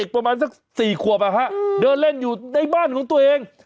ประมาณสัก๔ขวบเดินเล่นอยู่ในบ้านของตัวเอง